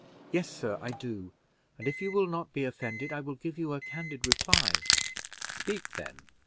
"Yes, sir, I do; and if you will not be offended, I will give you a candid reply." "Speak, then."